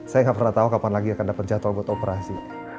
saya nggak pernah tahu kapan lagi akan dapat jadwal buat operasi